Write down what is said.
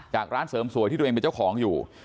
ร้านเสริมสวยที่ตัวเองเป็นเจ้าของอยู่